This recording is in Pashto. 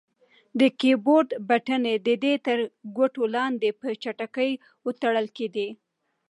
د کیبورډ بټنې د ده تر ګوتو لاندې په چټکۍ وتړکېدې.